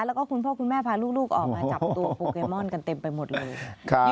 แล้วก็คุณพ่อคุณแม่พาลูกออกมาจับตัวโปเกมอนกันเต็มไปหมดเลย